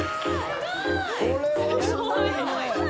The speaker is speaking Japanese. これはすごいね。